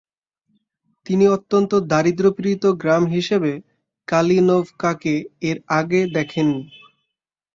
তিনি অত্যন্ত দারিদ্র্যপীড়িত গ্রাম হিসেবে কালিনোভকাকে এর আগে দেখেননি।